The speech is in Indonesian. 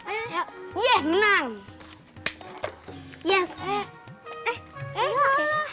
eh salah ini punya aku